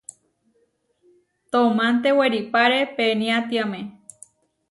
Toománte weripáre peniátiame.